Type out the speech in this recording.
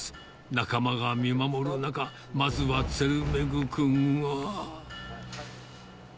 仲間が見守る中、まずはツェルメグ君は。